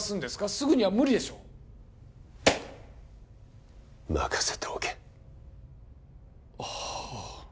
すぐには無理でしょう任せておけはあ